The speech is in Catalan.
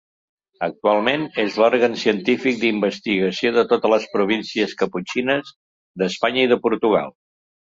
Actualment, és l'òrgan científic d'investigació de totes les províncies caputxines d'Espanya i de Portugal.